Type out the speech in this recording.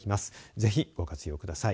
ぜひご活用ください。